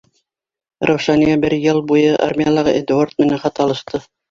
Раушания бер йыл буйы армиялағы Эдуард менән хат алышты.